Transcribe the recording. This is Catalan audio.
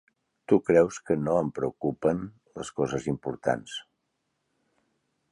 Tu creus que no em preocupen les coses importants.